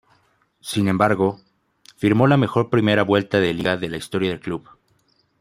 Sin embargo, firmó la mejor primera vuelta de liga de la historia del club.